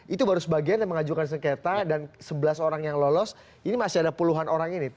itu baru sebagian yang mengajukan sengketa dan sebelas orang yang lolos ini masih ada puluhan orang ini